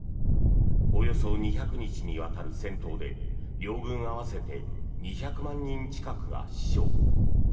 およそ２００日にわたる戦闘で両軍合わせて２００万人近くが死傷。